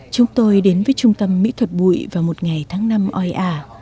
chúng tôi đến với trung tâm mỹ thuật bụi vào một ngày tháng năm oia